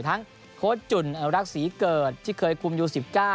โค้ชจุ่นอนุรักษีเกิดที่เคยคุมยู๑๙